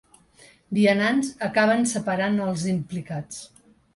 Vianants acaben separant els implicats.